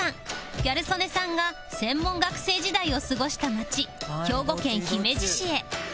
ギャル曽根さんが専門学生時代を過ごした街兵庫県姫路市へ